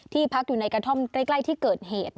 พักอยู่ในกระท่อมใกล้ที่เกิดเหตุ